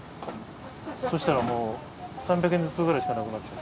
そしたらもう３００円ずつくらいしかなくなっちゃう。